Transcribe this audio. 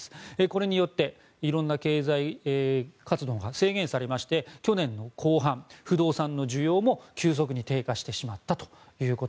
これによって色んな経済活動が制限されまして去年の後半、不動産の需要も急速に低下してしまったと。